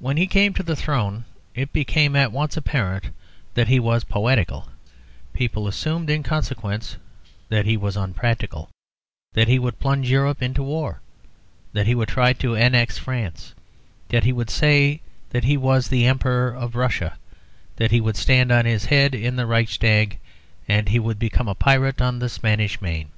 When he came to the throne it became at once apparent that he was poetical; people assumed in consequence that he was unpractical; that he would plunge Europe into war, that he would try to annex France, that he would say he was the Emperor of Russia, that he would stand on his head in the Reichstag, that he would become a pirate on the Spanish Main.